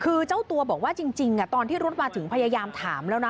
คือเจ้าตัวบอกว่าจริงตอนที่รถมาถึงพยายามถามแล้วนะ